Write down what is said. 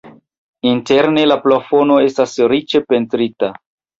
Interne la plafono estas riĉe pentrita.